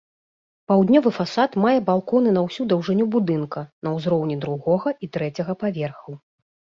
Паўднёвы фасад мае балконы на ўсю даўжыню будынка на ўзроўні другога і трэцяга паверхаў.